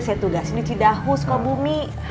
saya tugasin uci dahu sekolah bumi